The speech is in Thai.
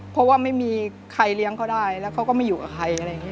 เพราะว่าไม่มีใครเลี้ยงเค้าได้แล้วเค้าก็ไม่อยู่กับใคร